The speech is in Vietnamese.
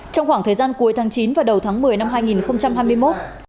trong khoảng thời gian cuối tháng chín và đầu tháng một mươi năm hai nghìn hai mươi một